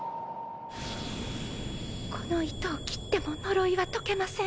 この糸を切っても呪いは解けません。